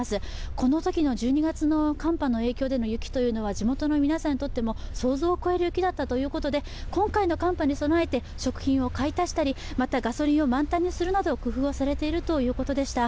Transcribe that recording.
このときの１２月の寒波の影響での雪は地元の皆さんにとっても想像を超える雪だったということで今回の寒波に備えて食品を買い足したりまたガソリンを満タンにするなど工夫をされているということでした。